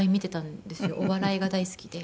お笑いが大好きで。